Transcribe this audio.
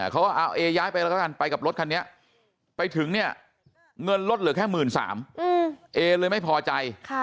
เขาเอาเอย้ายไปกับรถคันเนี่ยไปถึงเนี่ยเงินลดเหลือแค่๑๓๐๐๐เอเลยไม่พอใจ